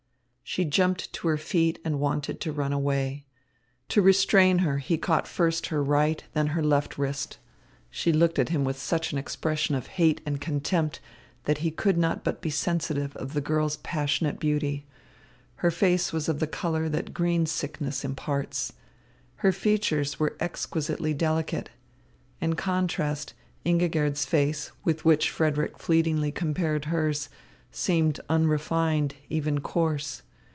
She jumped to her feet and wanted to run away. To restrain her he caught first her right, then her left wrist. She looked at him with such an expression of hate and contempt that he could not but be sensitive of the girl's passionate beauty. Her face was of the colour that greensickness imparts. Her features were exquisitely delicate. In contrast, Ingigerd's face, with which Frederick fleetingly compared hers, seemed unrefined, even coarse.